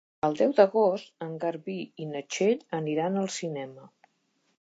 El deu d'agost en Garbí i na Txell aniran al cinema.